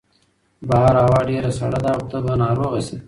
بهر هوا ډېره سړه ده او ته به ناروغه شې.